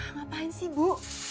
ngapain sih ibu